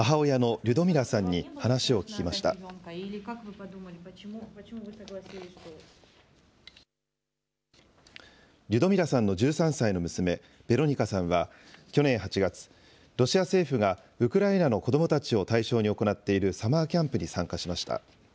リュドミラさんの１３歳の娘、ベロニカさんは去年８月、ロシア政府がウクライナの子どもたちを対象に行っているサマーキャンプに参加しました。